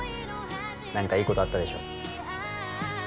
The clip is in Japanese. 何かいいことあったでしょ